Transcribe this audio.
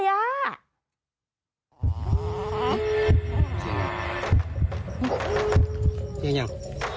โอ้เดี๋ยวน้อง